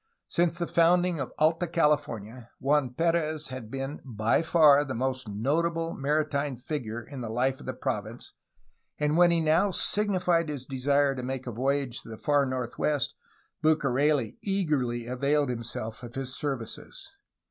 Since the founding of Alta California, Juan Perez had been by far the most notable maritime figure in the life of the province, and when he now signified his desire to make a voyage to the far northwest, Bucareli eagerly availed him self of his services.